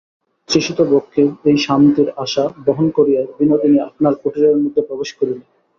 তৃষিত বক্ষে এই শান্তির আশা বহন করিয়া বিনোদিনী আপনার কুটিরের মধ্যে প্রবেশ করিল।